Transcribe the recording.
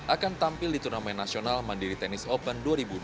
akan tampil di turnamen nasional mandiri tenis open dua ribu dua puluh